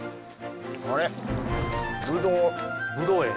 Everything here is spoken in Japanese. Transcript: あれブドウ園。